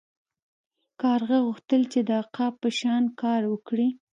کارغه غوښتل چې د عقاب په شان کار وکړي.